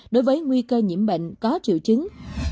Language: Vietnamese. đối với nguy cơ nhiễm bệnh có triệu chứng